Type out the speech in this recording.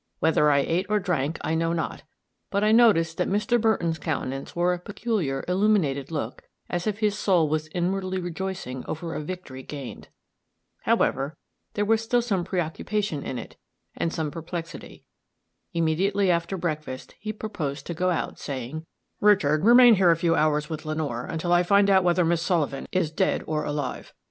Whether I ate or drank, I know not; but I noticed that Mr. Burton's countenance wore a peculiar, illuminated look, as if his soul was inwardly rejoicing over a victory gained. However, there was still preoccupation in it, and some perplexity. Immediately after breakfast, he proposed to go out, saying, "Richard, remain here a couple of hours with Lenore, until I find out whether Miss Sullivan is dead or alive.